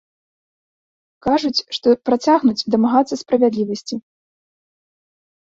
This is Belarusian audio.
Кажуць, што працягнуць дамагацца справядлівасці.